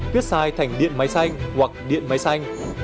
viết sai thành điện máy xanh hoặc điện máy xanh